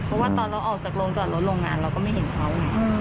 เพราะว่าตอนเราออกจากโรงจอดรถโรงงานเราก็ไม่เห็นเขาไง